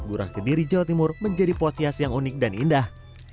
gurah kediri jawa timur menjadi pothias yang unik dan indah